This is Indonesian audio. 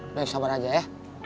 udah sabar aja ya